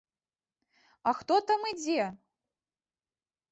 А хто там ідзе?